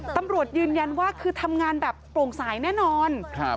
ตำรวจยืนยันว่าคือทำงานแบบโปร่งสายแน่นอน